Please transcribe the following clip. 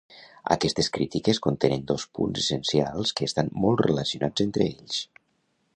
Aquestes crítiques contenen dos punts essencials que estan molt relacionats entre ells.